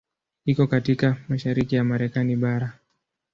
Iko katika mashariki ya Marekani bara.